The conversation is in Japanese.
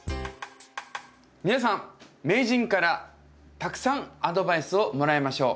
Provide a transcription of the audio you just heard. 皆さん名人からたくさんアドバイスをもらいましょう。